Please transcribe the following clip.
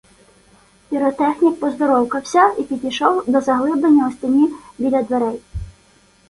Піротехнік поздоровкався і підійшов до заглиблення у стіні біля дверей.